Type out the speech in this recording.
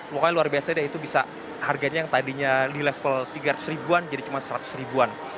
pokoknya luar biasa deh itu bisa harganya yang tadinya di level tiga ratus ribuan jadi cuma seratus ribuan